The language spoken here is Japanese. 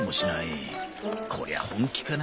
こりゃあ本気かな。